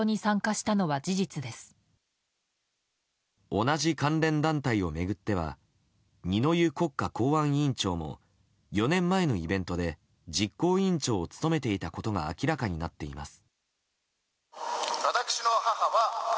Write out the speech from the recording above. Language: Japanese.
同じ関連団体を巡っては二之湯国家公安委員長も４年前のイベントで実行委員長を務めていたことが明らかになっています。